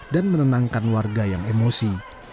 menenangkan warga yang emosi